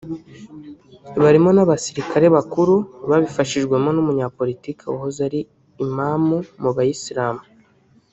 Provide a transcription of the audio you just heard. barimo n’abasirikare bakuru babifashijwemo n’Umunyapolitiki wahoze ari Imam mu Bayisilamu